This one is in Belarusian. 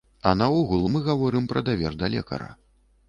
А наогул, мы гаворым пра давер да лекара.